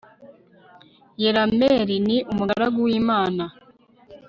yerameli ni umugaragu w imana